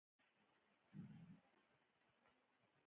تدارکات اصول لري